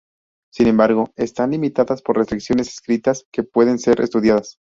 Sin embargo, están limitadas por restricciones escritas que pueden ser estudiadas.